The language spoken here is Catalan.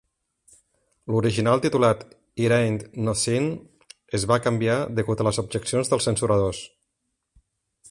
L'original titulat, "It Ain't No Sin", es va canviar degut a las objeccions dels censuradors.